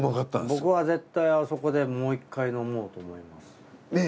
僕は絶対あそこでもう１回飲もうと思います。ねぇ。